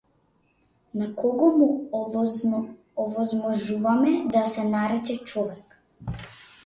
На кого му овозможуваме да се нарече човек?